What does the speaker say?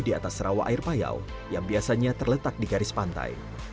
di atas rawa air payau yang biasanya terletak di garis pantai